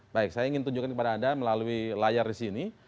baik saya ingin tunjukkan kepada anda melalui layar disini